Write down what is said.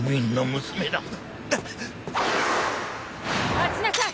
待ちなさい！